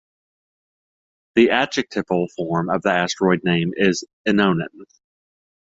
The adjectival form of the asteroid name is Inoan.